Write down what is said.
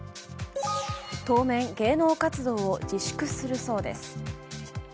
当面、芸能活動を自粛するそうです。